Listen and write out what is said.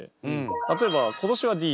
例えば今年はＤＪ。